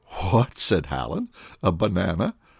"What!" said Hallen; "a banana?"